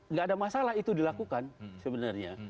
nggak ada masalah itu dilakukan sebenarnya